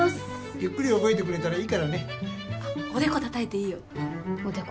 ゆっくり覚えてくれたらいいからねおでこ叩いていいよおでこ？